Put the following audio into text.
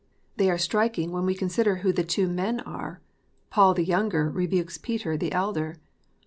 They are striking, when we consider who the two men are : Paul, the younger, rebukes Peter, the elder